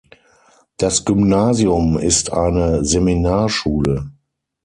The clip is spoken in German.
Das Gymnasium ist eine Seminarschule.